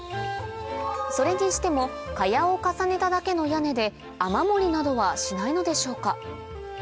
それにしても茅を重ねただけの屋根で雨漏りなどはしないのでしょうか？